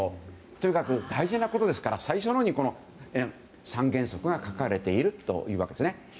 とにかく大事なことですから最初のほうに三原則が書かれているというわけですね。